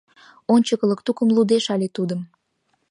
Ончыкылык тукым лудеш але тудым.